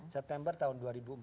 september tahun dua ribu empat belas